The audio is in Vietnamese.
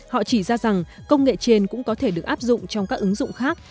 họ chỉ ra rằng công nghệ trên cũng có thể được áp dụng trong các ứng dụng khác